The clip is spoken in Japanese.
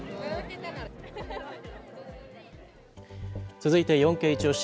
続いて４Ｋイチオシ！